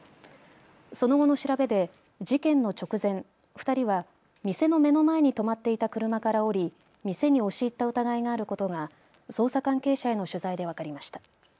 その後の調べで事件の直前、２人は店の目の前に止まっていた車から降り店に押し入った疑いがあることが捜査関係者への取材で分かりました。